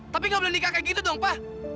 tapi gak boleh nikah kayak gitu dong pa